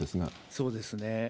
そうですね。